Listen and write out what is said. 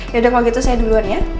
yaudah kalau gitu saya duluan ya